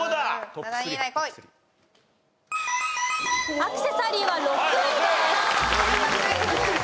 アクセサリーは６位です。